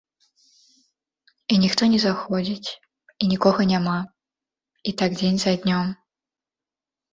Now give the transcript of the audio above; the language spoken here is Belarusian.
І ніхто не заходзіць, і нікога няма, і так дзень за днём.